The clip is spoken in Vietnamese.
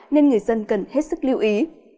nên người dân cần hết sức lưu ý